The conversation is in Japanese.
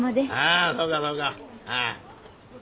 あそうかそうか。